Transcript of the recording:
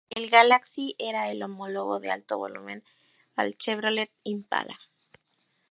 El Galaxie era el homólogo de alto volumen al Chevrolet Impala.